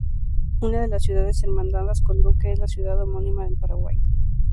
Una de las ciudades hermanadas con Luque es la ciudad homónima en Paraguay.